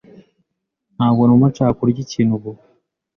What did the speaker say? Ntabwo numva nshaka kurya ikintu ubu.